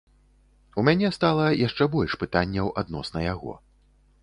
У мяне стала яшчэ больш пытанняў адносна яго.